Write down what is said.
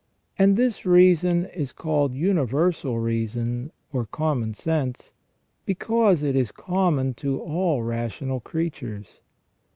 And this reason is called univer sal reason, or common sense, because it is common to all rational creatures.